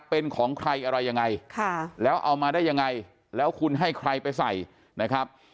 เป็นของใครอะไรยังไงแล้วเอามาได้ยังไงแล้วคุณให้ใครไปใส่นะครับ